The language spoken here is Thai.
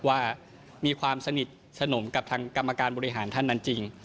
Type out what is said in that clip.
ว่ามีความสนิทสนมกับทางกรรมการบริหารท่านนั้นจริง